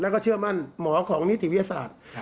แล้วก็เชื่อมั่นหมอของนิติวิทยาศาสตร์